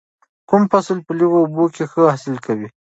کوم فصل په لږو اوبو کې ښه حاصل ورکوي؟